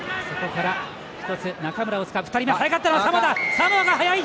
サモアが速い！